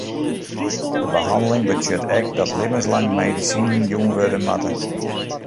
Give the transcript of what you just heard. De behanneling betsjut ek dat libbenslang medisinen jûn wurde moatte.